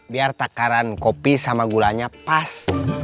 biar takaran kopi sama gulanya pas